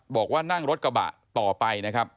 บอกว่านั่งรถกระบะต่อไปนะครับ